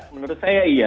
menurut saya iya